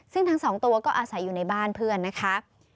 ซึ่งทั้งสองตัวก็อาศัยอยู่ในบ้านเพื่อนนะคะ